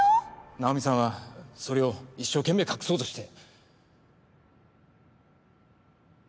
奈緒美さんはそれを一生懸命隠そうとして。